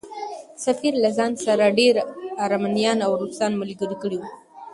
سفیر له ځان سره ډېر ارمنیان او روسان ملګري کړي وو.